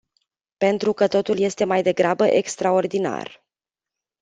Pentru că totul este mai degrabă extraordinar.